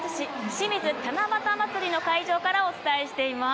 清水七夕まつりの会場からお伝えしています。